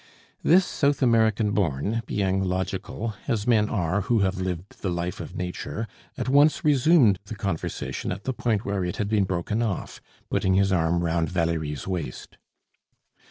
This South American born, being logical, as men are who have lived the life of nature, at once resumed the conversation at the point where it had been broken off, putting his arm round Valerie's waist.